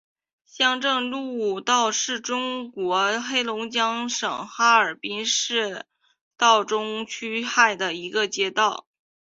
城乡路街道是中国黑龙江省哈尔滨市道里区下辖的一个街道。